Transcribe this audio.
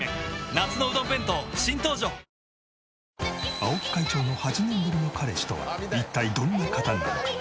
青木会長の８年ぶりの彼氏とは一体どんな方なのか？